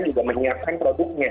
juga menyiapkan produknya